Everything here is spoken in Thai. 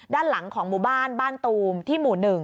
ด้านหลังของหมู่บ้านบ้านตูมที่หมู่๑